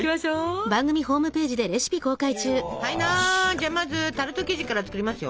じゃあまずタルト生地から作りますよ！